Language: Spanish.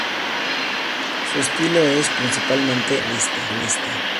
Su estilo es, principalmente, naturalista.